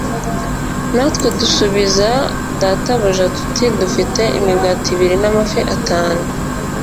Natwe dusubiza databuja tuti dufite imigati ibiri n’amafi atanu